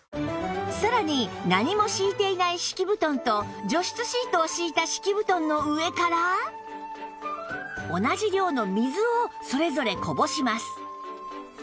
さらに何も敷いていない敷き布団と除湿シートを敷いた敷き布団の上から同じ量の水をそれぞれこぼします